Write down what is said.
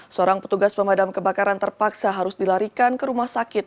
seorang petugas pemadam kebakaran terpaksa harus dilarikan ke rumah sakit